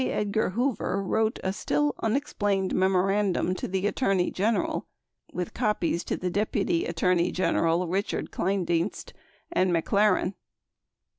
Edgar Hoover wrote a still unexplained memorandum 42 to the Attorney General, with copies to the Deputy Attorney General Richard Kleindienst and McLaren.